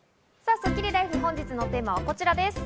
スッキリＬＩＦＥ、本日のテーマこちらです。